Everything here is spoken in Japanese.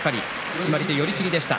決まり手は寄り切りでした。